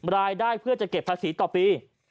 รายได้เพื่อจะเก็บภาษีต่อปี